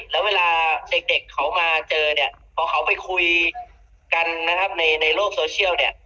แล้วเวลาเด็กเขามาเจอเนี่ยพอเขาไปคุยกันนะครับในโลกโซเชียลเนี่ย